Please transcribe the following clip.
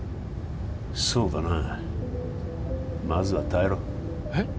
そうだなまずは耐えろえっ？